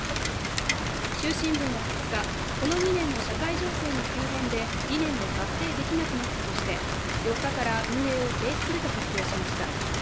「衆新聞」は２日、この２年の社会情勢の急変で理念を達成できなくなったとして４日から運営を停止すると発表しました。